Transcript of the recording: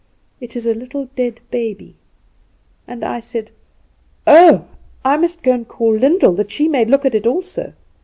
it is a little dead baby.' And I said: 'Oh, I must go and call Lyndall, that she may look at it also.